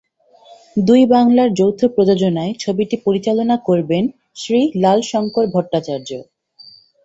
দুই বাংলার যৌথ প্রযোজনায় ছবিটি পরিচালনা করবেন শ্রী লাল শঙ্কর ভট্টাচার্য।